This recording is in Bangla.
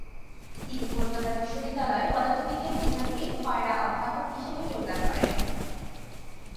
তিনি কলকাতা বিশ্ববিদ্যালয়ের পদার্থবিজ্ঞান বিভাগে খয়রা অধ্যাপক হিসেবে যোগদান করেন।